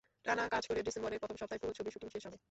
টানা কাজ করে ডিসেম্বরের প্রথম সপ্তাহে পুরো ছবির শুটিং শেষ হবে।